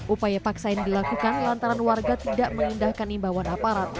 upaya paksain dilakukan lantaran warga tidak mengindahkan imbawan aparat